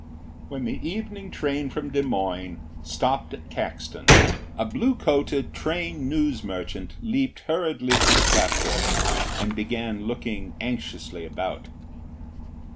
When the evening train from Des Moines stopped at Caxton, a blue coated train news merchant leaped hurriedly to the platform and began looking anxiously about.